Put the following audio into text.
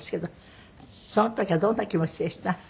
その時はどんな気持ちでした？